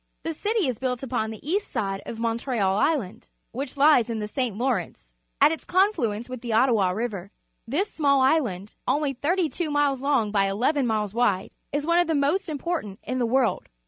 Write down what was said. The city is built upon tlie east side of Montreal Island, which lies in th e St. Law rence at its confluence with the Ottawa River. This small island, only tliirty two miles long by eleven miles wide, is one of the most important in the world.